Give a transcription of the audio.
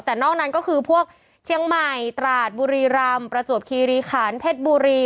แต่นอกนั้นก็คือพวกเชียงใหม่ตราดบุรีรำประจวบคีรีขันเพชรบุรี